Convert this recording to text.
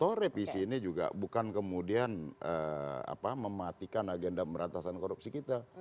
atau revisi ini juga bukan kemudian mematikan agenda meratasan korupsi kita